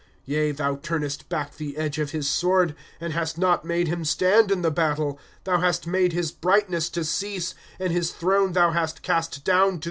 *^ Yea, thou turuest back the edge of his sword, And hast not made him stand in the battle. " Thou hast made his brightness fo cease ; And his throne thou hast cast down to the earth.